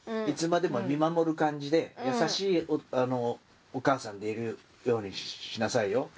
いつまでも見守る感じで優しいお母さんでいるようにしなさいよ。